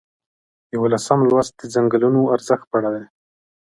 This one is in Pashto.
یوولسم لوست د څنګلونو ارزښت په اړه دی.